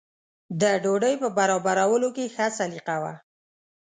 د ډوډۍ په برابرولو کې ښه سلیقه وه.